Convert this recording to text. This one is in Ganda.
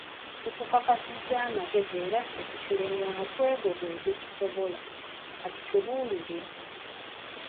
Tukukakasizza amagezi era ffe kitulemye omutwe gwo gwe gusobola, ka gutubuulire.